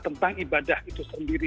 tentang ibadah itu